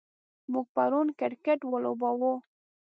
موږ پرون کرکټ ولوباوه.